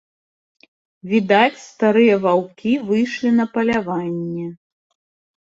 Відаць, старыя ваўкі выйшлі на паляванне.